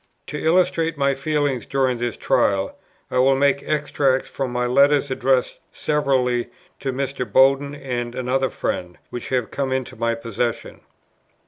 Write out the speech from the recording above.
To illustrate my feelings during this trial, I will make extracts from my letters addressed severally to Mr. Bowden and another friend, which have come into my possession.